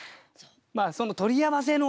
まあその取り合わせの妙をね